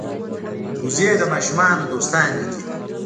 وزې د ماشومانو دوستانې دي